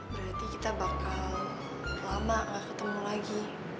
berarti kita bakal lama gak ketemu lagi